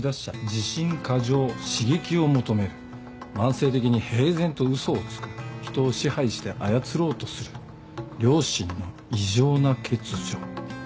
「自信過剰」「刺激を求める」「慢性的に平然と嘘をつく」「人を支配して操ろうとする」「良心の異常な欠如」